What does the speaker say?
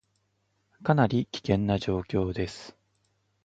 かなり危険な状況です